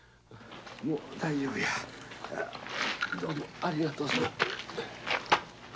もう大丈夫やありがとうさん。